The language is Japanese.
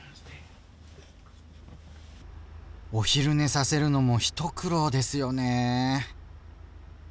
お昼寝させるのも一苦労ですよね。